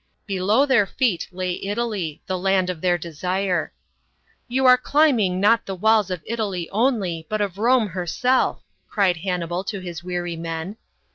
Below their feet lay Italy the land of their desire. " You are climbing not the walls of Italy only, but of Rome herself," cried Hannibal to his weary men.